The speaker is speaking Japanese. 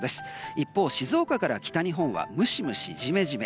一方、静岡から北日本はムシムシ、ジメジメ。